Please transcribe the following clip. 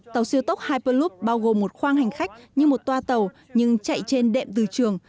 tàu siêu tốc hyperloop bao gồm một khoang hành khách như một toa tàu nhưng chạy trên đệm từ trường